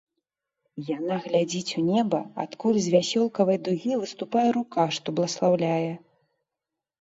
Яна глядзіць у неба, адкуль з вясёлкавай дугі выступае рука, што бласлаўляе.